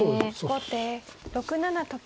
後手６七と金。